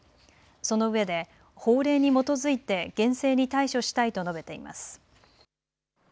その上で法令に基づいて厳正に対処したいと述べています。